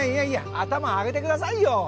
頭上げてくださいよ。